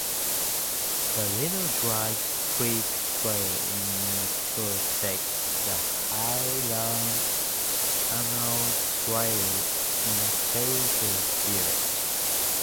The Little Dry Creek Trail intersects the Highline Canal Trail in Cherry Hills Village.